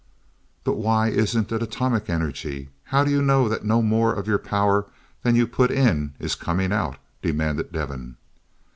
"But why isn't it atomic energy? How do you know that no more than your power that you put in is coming out?" demanded Devin.